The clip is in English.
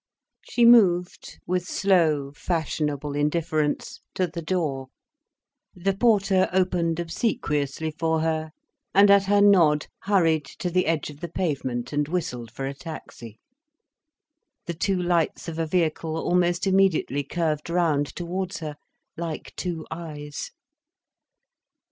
She moved with slow, fashionable indifference to the door. The porter opened obsequiously for her, and, at her nod, hurried to the edge of the pavement and whistled for a taxi. The two lights of a vehicle almost immediately curved round towards her, like two eyes.